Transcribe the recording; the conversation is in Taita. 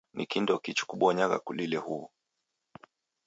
Ni kindoki chikubonyagha kulile huwu?